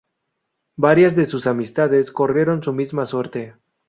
Varias de sus amistades corrieron su misma suerte.